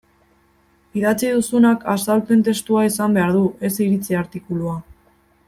Idatzi duzunak azalpen testua izan behar du, ez iritzi artikulua.